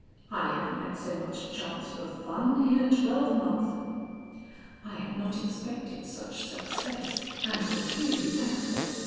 I haven't had so much chance for fun in a twelve month." I had not expected such success, and was duly thankful.